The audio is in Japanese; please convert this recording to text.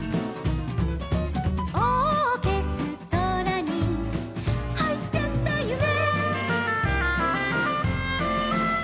「オーケストラにはいっちゃったゆめ」